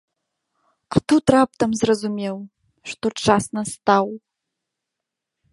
А тут раптам зразумеў, што час настаў.